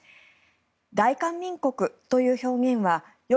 大韓民国という表現は与